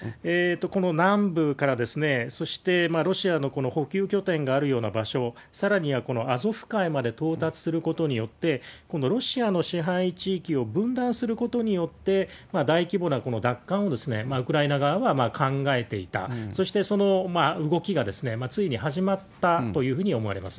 この南部から、そしてロシアの補給拠点があるような場所、さらにはこのアゾフ海まで到達することによって、今度ロシアの支配地域を分断することによって、大規模な奪還をウクライナ側が考えていた、そして、その動きがついに始まったというふうに思われます。